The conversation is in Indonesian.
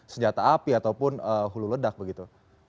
senjata api ataupun hulu ledak begitu